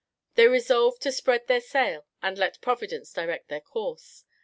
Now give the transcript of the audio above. They resolved to spread their sail and let Providence direct their course.